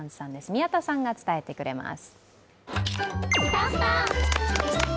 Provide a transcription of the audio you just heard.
宮田さんが伝えてくれます。